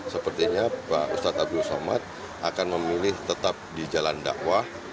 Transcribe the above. sepertinya pak ustadz abdul somad akan memilih tetap di jalan dakwah